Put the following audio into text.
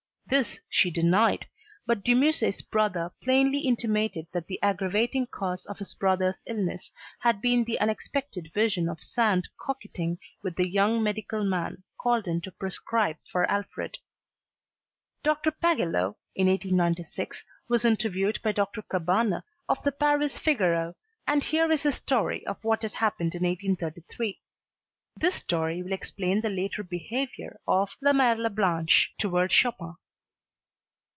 This she denied, but De Musset's brother plainly intimated that the aggravating cause of his brother's illness had been the unexpected vision of Sand coquetting with the young medical man called in to prescribe for Alfred. Dr. Pagello in 1896 was interviewed by Dr. Cabanes of the Paris "Figaro" and here is his story of what had happened in 1833. This story will explain the later behavior of "la merle blanche" toward Chopin.